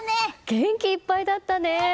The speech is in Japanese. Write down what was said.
元気いっぱいだったね。